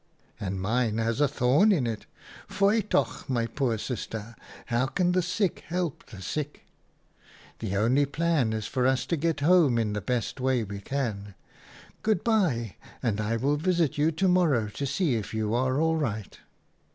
" 'And mine has a thorn in it. Foei toch, my poor sister! How can the sick help the sick ? The only plan is for us to get home 46 OUTA KAREL'S STORIES in the best way we can. Good bye, and I will visit you to morrow to see if you are all right.'